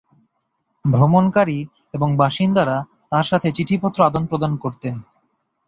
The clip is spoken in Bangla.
ভ্রমণকারী এবং বাসিন্দারা তাঁর সাথে চিঠিপত্র আদান-প্রদান করতেন।